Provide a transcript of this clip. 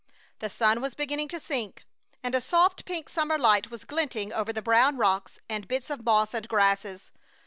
The sun was beginning to sink, and a soft, pink summer light was glinting over the brown rocks and bits of moss and grasses.